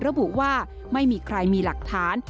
ระบุว่าไม่มีใครมีหลักฐาน